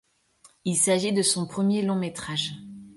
Il s’agit de son premier long-métrage.